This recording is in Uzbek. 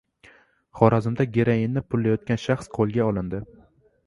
Xorazmda “geroin”ni pullayotgan shaxs qo‘lga olindi